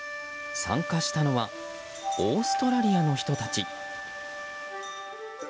参加したのはオーストラリアの人たち。